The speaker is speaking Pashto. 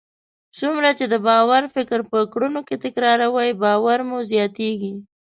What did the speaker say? څومره چې د باور فکر په کړنو کې تکراروئ، باور مو زیاتیږي.